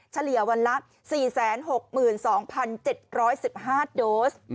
เฉลี่ยวันละ๔๖๒๗๑๕โดส